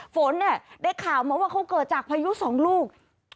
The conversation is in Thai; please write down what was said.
ฝนเนี่ยได้ข่าวมาว่าเขาเกิดจากพายุสองลูก